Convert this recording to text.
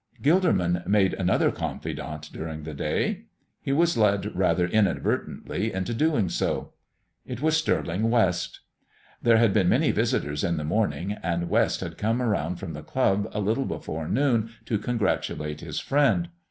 Gilderman made another confidant during the day. He was led rather inadvertently into doing so. It was Stirling West. There had been many visitors in the morning, and West had come around from the club a little before noon to congratulate his friend.